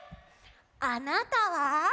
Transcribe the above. あなたは？